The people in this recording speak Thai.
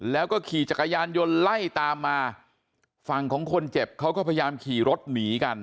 แล้วก็ขี่จักรยานยนต์ไล่ตามมาฝั่งของคนเจ็บเขาก็พยายามขี่รถหนีกัน